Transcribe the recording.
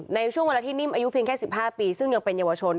ในช่วงเวลาที่นิ่มอายุเพียงแค่๑๕ปีซึ่งยังเป็นเยาวชน